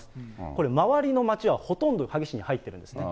これ、ほとんどの町はほとんど萩市に入ってるんですね。